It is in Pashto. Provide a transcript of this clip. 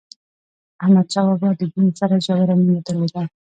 احمد شاه بابا د دین سره ژوره مینه درلوده.